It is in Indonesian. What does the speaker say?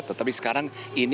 tetapi sekarang ini yang